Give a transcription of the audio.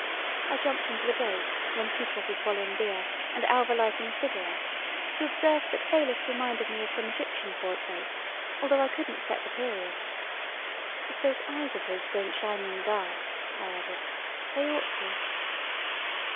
I jumped into the break when Kutrov was swallowing beer and Alva lighting a cigaret to observe that Fayliss reminded me of some Egyptian portraits although I couldn't set the period. "If those eyes of his don't shine in the dark," I added, "they ought to."